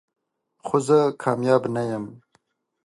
خو زه کامیاب نه یم .